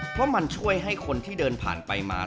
เพราะมันช่วยให้คนที่เดินผ่านไปมา